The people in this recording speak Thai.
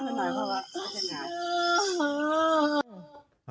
อะอ้าว